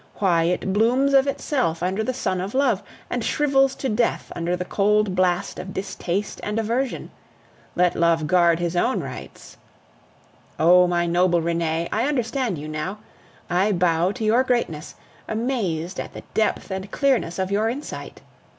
Why, it blooms of itself under the sun of love, and shrivels to death under the cold blast of distaste and aversion! Let love guard his own rights! Oh! my noble Renee! I understand you now. I bow to your greatness, amazed at the depth and clearness of your insight.